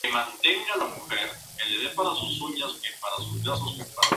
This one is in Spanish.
Se inició en el mundo del manga creando Myth Wars a los diecisiete años.